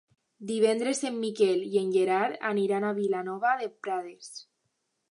Divendres en Miquel i en Gerard aniran a Vilanova de Prades.